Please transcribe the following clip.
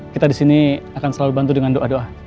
kita di sini akan selalu bantu dengan doa doa